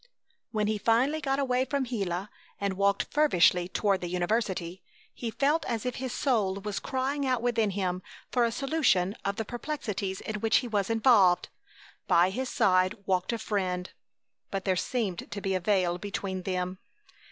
When he finally got away from Gila and walked feverishly toward the university, he felt as if his soul was crying out within him for a solution of the perplexities in which he was involved. By his side walked a Friend, but there seemed to be a veil between them.